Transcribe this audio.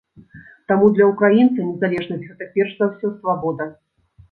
Таму для украінца незалежнасць гэта перш за ўсё свабода.